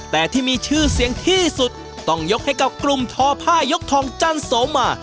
แต่ที่มีชื่อเสียงที่สุดต้องยกให้กับกลุ่มทอผ้ายกทองจันโสมมา